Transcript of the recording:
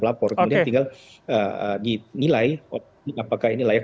lapor kemudian tinggal dinilai apakah ini layak